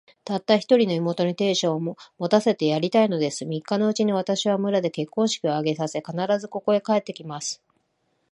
たった一人の妹に、亭主を持たせてやりたいのです。三日のうちに、私は村で結婚式を挙げさせ、必ず、ここへ帰って来ます。